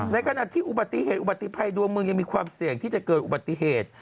ในขณะที่อุบัติภัยดวงเมืองยังมีความเสี่ยงที่จะเกิดอุบัติเหตุ